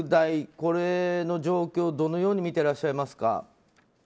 これの状況、どのように見ていらっしゃいますか？